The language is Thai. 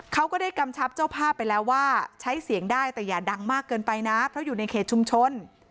เขาก็ได้กำชับเจ้าภาพไปแล้วว่าใช้เสียงได้แต่อย่าดังมากเกินไปนะเพราะอยู่ในเขตชุมชน